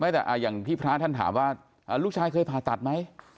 อย่างที่พระท่านถามว่าลูกชายเคยผ่าตัดไหม